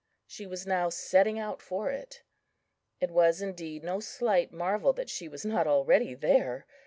She was now setting out for it. It was, indeed, no slight marvel that she was not already there.